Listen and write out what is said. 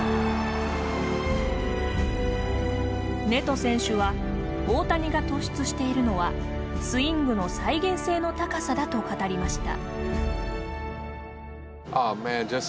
ネト選手は大谷が突出しているのはスイングの再現性の高さだと語りました。